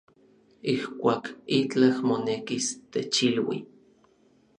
Ijkuak itlaj monekis, techilui.